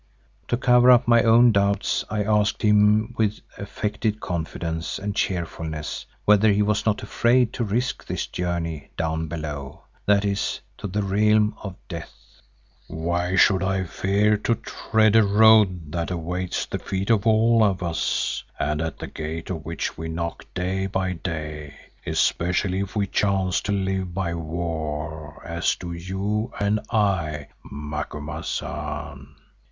To cover up my own doubts I asked him with affected confidence and cheerfulness whether he was not afraid to risk this journey "down below," that is, to the Realm of Death. "Why should I fear to tread a road that awaits the feet of all of us and at the gate of which we knock day by day, especially if we chance to live by war, as do you and I, Macumazahn?"